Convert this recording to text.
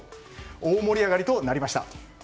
大盛り上がりとなりました。